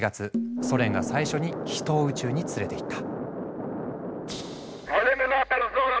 ソ連が最初に人を宇宙に連れていった。